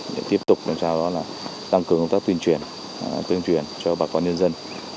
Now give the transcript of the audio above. để tiếp tục làm sao đó là tăng cường công tác tuyên truyền cho bà con nhân dân